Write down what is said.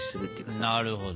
なるほど。